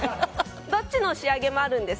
どっちの仕上げもあるんです。